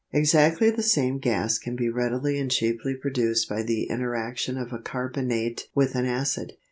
Exactly the same gas can be readily and cheaply produced by the interaction of a carbonate with an acid.